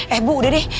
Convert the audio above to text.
eh bu udah deh